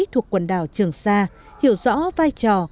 trường sa hiểu rõ vai trò